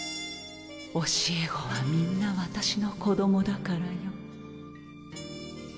教え子はみんな私の子供だからよ